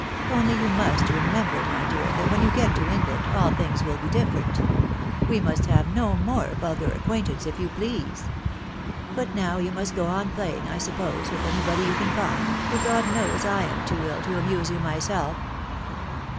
Only you must remember, my dear, that when you get to England, aU things wiU be dif ferent. We must have no more vulgar acquaintance, if you please. But now you must go on playing, I suppose, with any body you can find, for God knows I am too ill to amuse you myself."